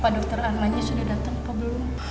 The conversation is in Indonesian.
apa dokter arman sudah datang apa belum